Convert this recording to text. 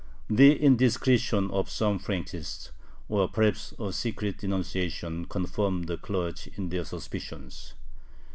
The indiscretion of some Frankists, or perhaps a secret denunciation, confirmed the clergy in their suspicions.